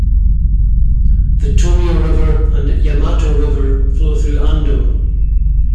The Tomio River and Yamato River flow through Ando.